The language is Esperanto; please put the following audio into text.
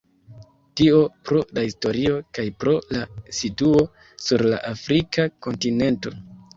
Tio pro la historio kaj pro la situo sur la afrika kontinento.